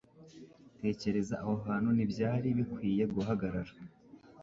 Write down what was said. Tekereza aho hantu ntibyari bikwiye guhagarara.